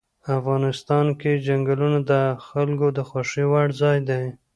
افغانستان کې چنګلونه د خلکو د خوښې وړ ځای دی.